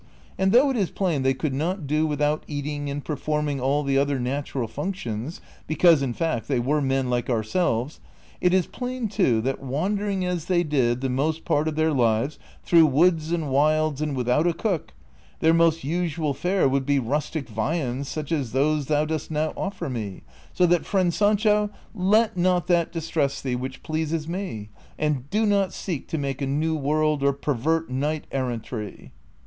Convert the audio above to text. And though it is plain they could not do without eating and performing all the other natural functions, because, in fact, they were men like ourselves, it is plain too that, wandering as they did the most part of their lives through woods and wilds and without a cook, their most nsual fare would be rustic viands such as those thou dost now offer me; so that, friend .Saucho, let not that distress thee which ])leases me, and do not seek to make a new world or pervert knight errantry."